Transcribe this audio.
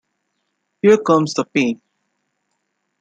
Here Comes the Pain.